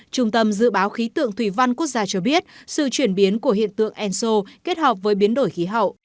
trung tâm dự báo khí tượng thủy văn quốc gia cho biết sự chuyển biến của hiện tượng enso kết hợp với biến đổi khí hậu